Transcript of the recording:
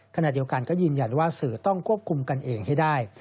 ขณะเดียวกันก็ยืนยันว่าสื่อต้องควบคุมกันเองให้ได้